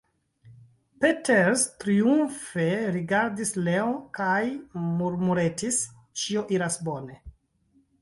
Peters triumfe rigardis Leon kaj murmuretis: Ĉio iras bone.